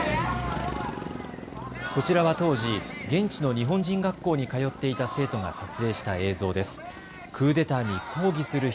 こちらは当時、現地の日本人学校に通っていた生徒が撮影した映像です。